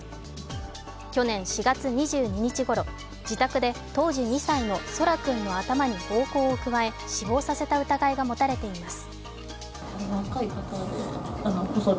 去年４月２２日ごろ、自宅で当時２歳の空来君の頭に暴行を加え死亡させた疑いが持たれています。